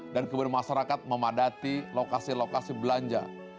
dan kebanyakan masyarakat memadati lokasi lokasi belanja